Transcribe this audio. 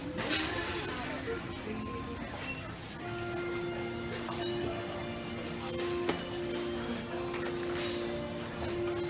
นี่จะคือวันนี้ที่ต่างจากเมื่อที่ประจำเป็นวันนี้